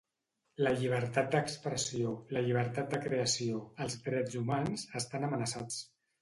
La llibertat d’expressió, la llibertat de creació, els drets humans, estan amenaçats.